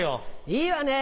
いいわね。